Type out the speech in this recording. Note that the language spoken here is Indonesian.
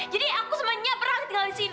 jadi aku sama nyah pernah tinggal di sini